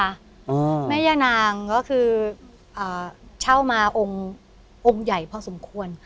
อ่าแม่ย่านางก็คืออ่าเช่ามาองค์องค์ใหญ่พอสมควร